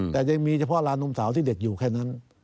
แต่ยังมีเฉพาะร้านนมสาวที่เด็กอยู่แค่นั้น